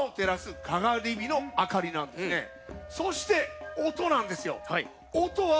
そして音なんですよ。